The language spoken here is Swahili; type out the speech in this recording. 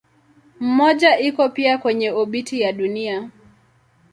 Mmoja iko pia kwenye obiti ya Dunia.